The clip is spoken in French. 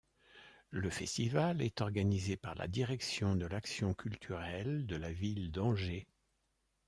Le festival est organisé par la direction de l'action culturelle de la ville d'Angers.